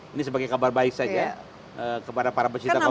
ini sebagai kabar baik saja kepada para peserta kopi